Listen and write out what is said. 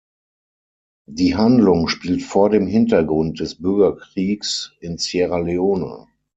Die Handlung spielt vor dem Hintergrund des Bürgerkriegs in Sierra Leone.